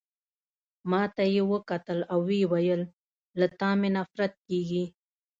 ما ته يې وکتل او ويې ویل: له تا مي نفرت کیږي.